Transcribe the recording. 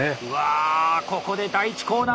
ここで第１コーナーに入った！